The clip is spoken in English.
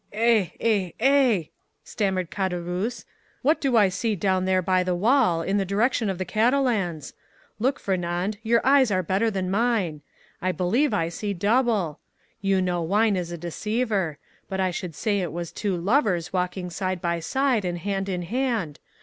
"Eh, eh, eh!" stammered Caderousse. "What do I see down there by the wall, in the direction of the Catalans? Look, Fernand, your eyes are better than mine. I believe I see double. You know wine is a deceiver; but I should say it was two lovers walking side by side, and hand in hand.